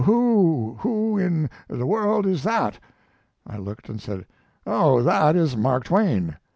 "Who who in the world is that?" I looked and said, "Oh, that is Mark Twain."